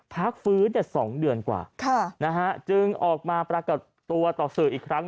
พักฟื้น๒เดือนกว่าจึงออกมาปรากฏตัวต่อสื่ออีกครั้ง